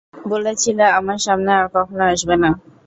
বলেছিলে আমার সামনে আর কখনো আসবে না।